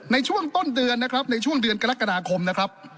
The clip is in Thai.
ในช่วงต้นเดือนนะครับในช่วงเดือนกรกฎาคมนะครับ